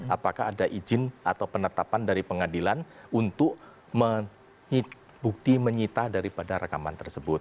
apakah ada izin atau penetapan dari pengadilan untuk bukti menyita daripada rekaman tersebut